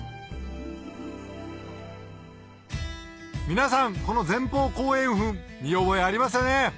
皆さんこの前方後円墳見覚えありますよね？